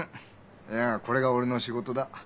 いやこれが俺の仕事だ。